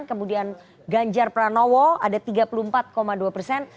kemudian ganjar pranowo ada tiga puluh empat dua persen